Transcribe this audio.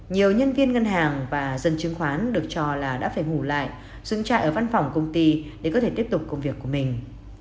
nhiều nhân viên ngân hàng và dân chứng khoán được cho là đã phải ngủ lại dừng trại ở văn phòng công ty để có thể tiếp tục công việc của mình